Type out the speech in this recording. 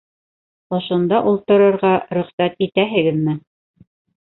— Ошонда ултырырға рөхсәт итәһегеҙме?